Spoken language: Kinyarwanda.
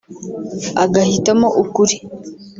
agahitamo ukuri